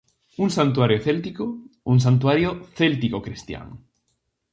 Un santuario céltico, un santuario céltico-cristián.